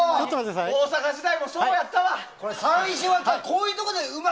大阪時代もそうやったわ。